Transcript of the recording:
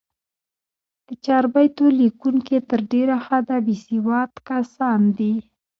د چاربیتو لیکوونکي تر ډېره حده، بېسواد کسان دي.